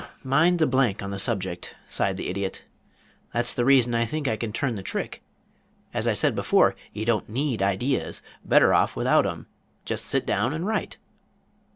"Mind's a blank on the subject," sighed the Idiot. "That's the reason I think I can turn the trick. As I said before, you don't need ideas. Better off without 'em. Just sit down and write."